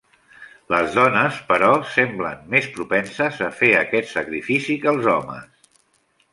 Les dones, però, semblen més propensos a fer aquest sacrifici que els homes.